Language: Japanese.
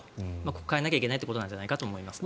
ここを変えなきゃいけないということなんじゃないかと思います。